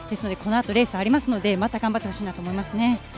このあとレースありますので、また頑張ってほしいなと思います。